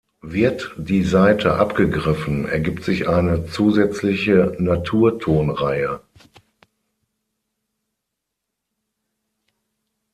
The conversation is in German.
Wird die Saite abgegriffen, ergibt sich eine zusätzliche Naturtonreihe.